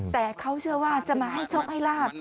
แต่เขาเชื่อว่าจะมาให้โชคให้ลาบ